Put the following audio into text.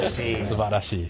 すばらしい。